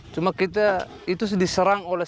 cuma kita itu diserang oleh satu ratus lima puluh